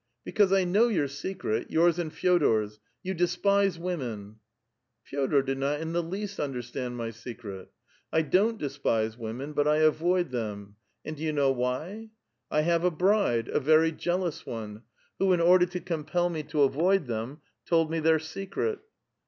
" Because I know your secret — yours and Fe6dor's ; you despise women !"" Ke6dor did not in the least understand my secret. I don't despise women, but I avoid them ; and do you know why? I have a bride, — a very jealous one, — who, in order to compel me to avoid them, told me their secret."